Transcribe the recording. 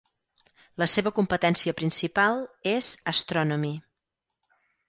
La seva competència principal és "Astronomy".